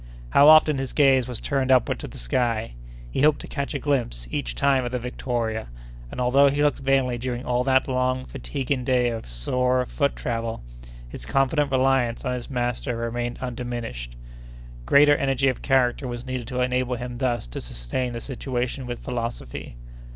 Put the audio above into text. How often his gaze was turned upward to the sky! He hoped to catch a glimpse, each time, of the Victoria; and, although he looked vainly during all that long, fatiguing day of sore foot travel, his confident reliance on his master remained undiminished. Great energy of character was needed to enable him thus to sustain the situation with philosophy.